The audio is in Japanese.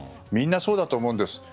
みんな、そうだと思うんです。